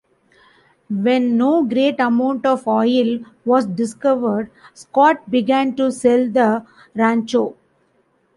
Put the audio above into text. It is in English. When no great amount of oil was discovered, Scott began to sell the rancho.